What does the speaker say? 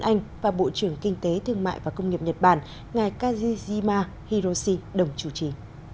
anh và bộ trưởng kinh tế thương mại và công nghiệp nhật bản ngài kazushima hiroshi đồng chủ trì